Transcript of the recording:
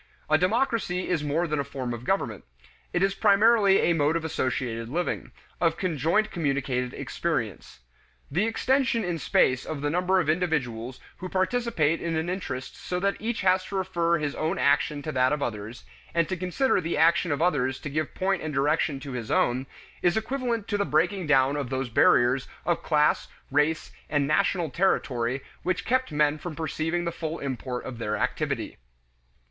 A democracy is more than a form of government; it is primarily a mode of associated living, of conjoint communicated experience. The extension in space of the number of individuals who participate in an interest so that each has to refer his own action to that of others, and to consider the action of others to give point and direction to his own, is equivalent to the breaking down of those barriers of class, race, and national territory which kept men from perceiving the full import of their activity.